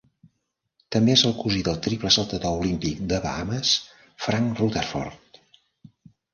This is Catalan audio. També és el cosí del triple saltador olímpic de Bahames Frank Rutherford.